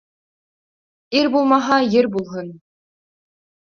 Ир булмаһа, ер булһын.